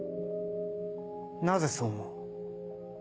なぜそう思う？